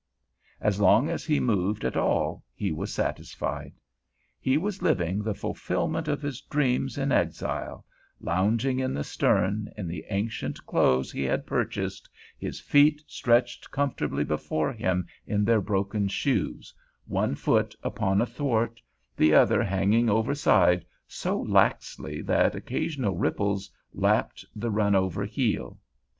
As long as he moved at all, he was satisfied. He was living the fulfilment of his dreams in exile, lounging in the stern in the ancient clothes he had purchased, his feet stretched comfortably before him in their broken shoes, one foot upon a thwart, the other hanging overside so laxly that occasional ripples lapped the run over heel.